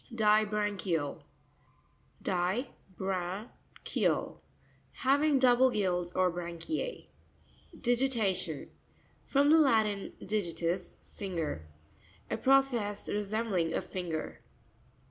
Disra'ncurau (di bra'nk eal).— Hav ing double gills or branchie. Dieira'tion.—From the Latin, digi ius, finger. A process resembling a finger.